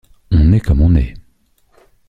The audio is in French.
On est comme on est.